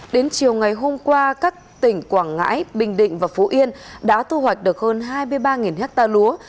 đến chiều ngày hôm qua các tỉnh quảng ngãi bình định và phú yên đã thu hoạch được hơn hai mươi ba ha lúa